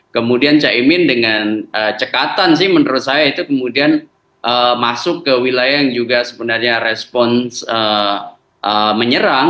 kemudian caimin dengan cekatan sih menurut saya itu kemudian masuk ke wilayah yang juga sebenarnya respons menyerang